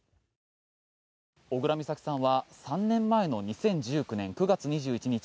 小倉美咲さんは３年前の２０１９年９月２１日